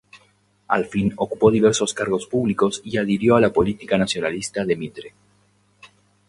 Al fin, ocupó diversos cargos públicos y adhirió a la política nacionalista de Mitre.